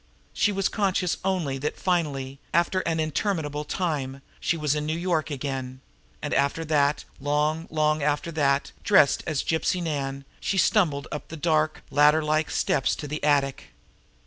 She was conscious only that finally, after an interminable time, she was in New York again; and after that, long, long after that, dressed as Gypsy Nan, she was stumbling up the dark, ladder like steps to the attic.